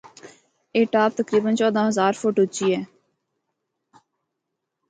A top تقریبا چودہ ہزار فٹ اُچی ہے۔